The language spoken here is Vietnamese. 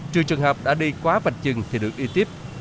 trừ trường hợp đã đi qua vạch chừng thì được đi tiếp